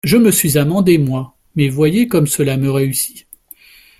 Je me suis amendé, moi ; mais voyez comme cela me réussit.